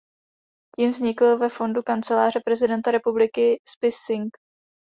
Tím vznikl ve fondu Kanceláře prezidenta republiky spis sign.